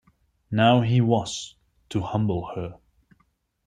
Now he was to humble her.